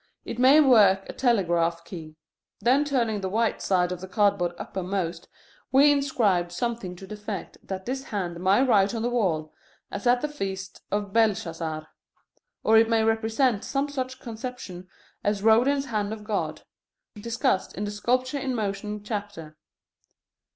It may work a telegraph key. Then turning the white side of the cardboard uppermost we inscribe something to the effect that this hand may write on the wall, as at the feast of Belshazzar. Or it may represent some such conception as Rodin's Hand of God, discussed in the Sculpture in motion chapter.